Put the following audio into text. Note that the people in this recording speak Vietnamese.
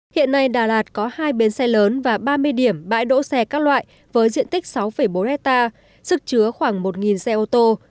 hiện nay đà lạt có hai bến xe lớn và ba mươi điểm bãi đỗ xe các loại với diện tích sáu bốn hectare sức chứa khoảng một xe ô tô